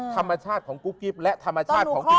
ธรรมชาติของกุ๊กกิ๊บและธรรมชาติของกิ๊